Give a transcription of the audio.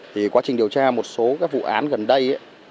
thì quá trình điều tra một số các vụ án gần đây